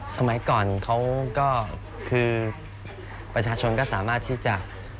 สมัยก่อนประชาชนก็สามารถที่จะ